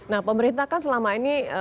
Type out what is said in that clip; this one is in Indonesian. nah pemerintah kan selama ini